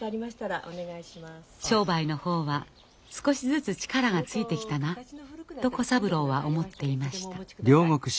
商売の方は少しずつ力がついてきたなと小三郎は思っていました。